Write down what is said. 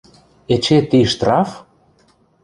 Эче ти штраф?..